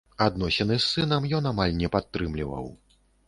Адносіны з сынам ён амаль не падтрымліваў.